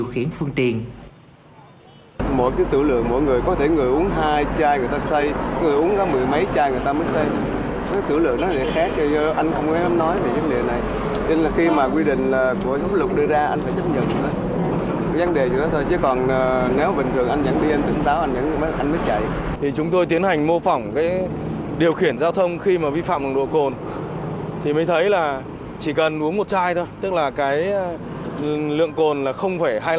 khi điều khiển phương tiện